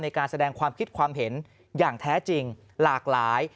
ในการแสดงความคิดความเห็นอย่างแท้จริงหลากหลาย